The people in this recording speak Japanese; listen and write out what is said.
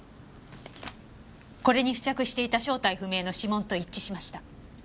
これに付着していた正体不明の指紋と一致しました。